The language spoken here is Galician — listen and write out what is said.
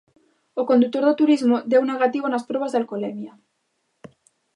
O condutor do turismo deu negativo nas probas de alcoholemia.